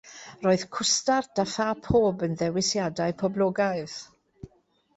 Roedd cwstard a ffa pob yn ddewisiadau poblogaidd.